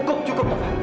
bukan cukup taufan